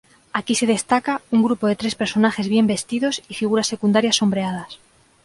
Aquí se destaca un grupo de tres personajes bien vestidos y figuras secundarias sombreadas.